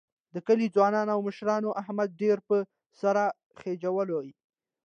د کلي ځوانانو او مشرانو احمد ډېر په سر خېجولی